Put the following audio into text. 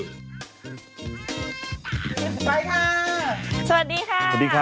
สนับสนุนโดย